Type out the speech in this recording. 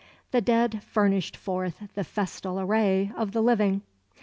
The dead furnished forth the festal array of the living.